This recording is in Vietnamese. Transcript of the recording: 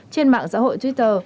trên mạng xã hội twitter